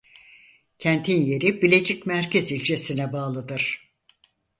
Kentin yeri Bilecik merkez ilçesine bağlıdır.